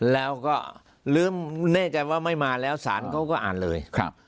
แล้วก็ลืมแน่ใจว่าไม่มาแล้วสารเขาก็อ่านเลย